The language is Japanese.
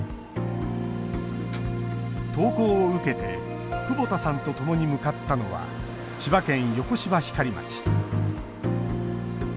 投稿を受けて久保田さんとともに向かったのは千葉県横芝光町。